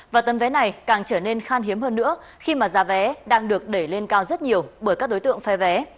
và tấm vé này càng trở nên khan hiếm hơn nữa khi mà giá vé đang được đẩy lên cao rất nhiều bởi các đối tượng phe vé